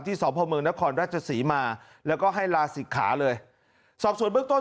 ที่สพมนครราชศรีมาแล้วก็ให้ลาศิกขาเลยสอบส่วนบึกต้น